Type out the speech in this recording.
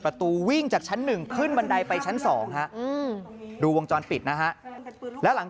ประตูวิ่งจากชั้น๑ขึ้นบันไดไปชั้น๒ฮะดูวงจรปิดนะฮะแล้วหลัง